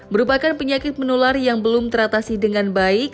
merupakan penyakit menular yang belum teratasi dengan baik